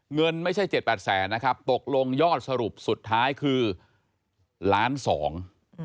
เงินไม่ใช่เจ็ดแปดแสนนะครับตกลงยอดสรุปสุดท้ายคือล้านสอง